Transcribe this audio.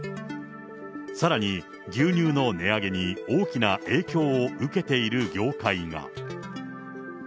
さらに牛乳の値上げに大きな影響を受けている業界が。